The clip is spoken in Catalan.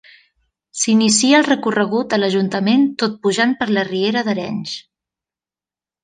S'inicia el recorregut a l'Ajuntament tot pujant per la riera d’Arenys.